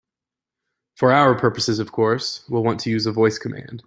For our purposes, of course, we'll want to use a voice command.